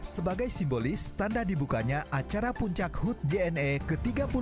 sebagai simbolis tanda dibukanya acara puncak hut jna ke tiga puluh dua